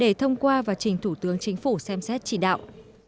để thông qua và trình thủ tướng chính phủ xem xét chỉ đạo